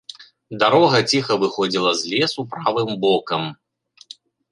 Дарога ціха выходзіла з лесу правым бокам.